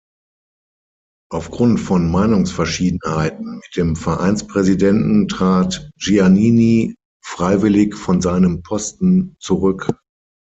Aufgrund von Meinungsverschiedenheiten mit dem Vereinspräsidenten trat Giannini freiwillig von seinem Posten zurück.